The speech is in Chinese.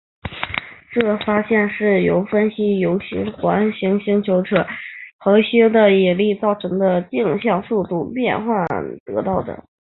这项发现是分析由行星环绕时拉扯恒星的引力造成的径向速度变化得到的。